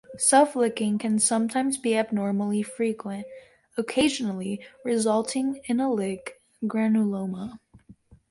Self-licking can sometimes become abnormally frequent occasionally resulting in a lick granuloma.